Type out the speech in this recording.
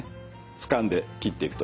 つかんで切っていくと。